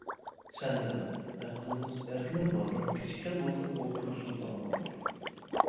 سەن دېدىڭ: ئەقلىمىز، ئەركىمىز باردا، كېچىككەن بولساقمۇ كۈلسۇن ئارمانلار.